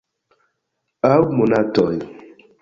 Aŭ monatoj.